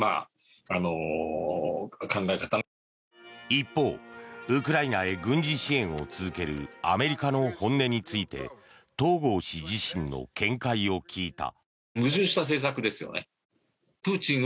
一方、ウクライナへ軍事支援を続けるアメリカの本音について東郷氏自身の見解を聞いた。